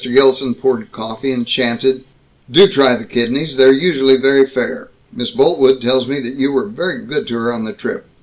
Gilson poured coffee, and chanted: "Do try the kidneys. They're usually very fair. Miss Boltwood tells me that you were very good to her on the trip.